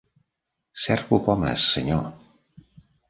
Cerco pomes, senyor!